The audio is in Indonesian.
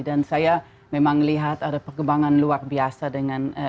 dan saya memang lihat ada perkembangan luar biasa dengan